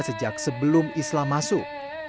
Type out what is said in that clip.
sejak sebelum islam masuk